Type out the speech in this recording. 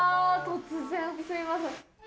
突然、すいません。